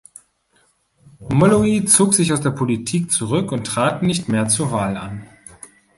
Molloy zog sich aus der Politik zurück und trat nicht mehr zur Wahl an.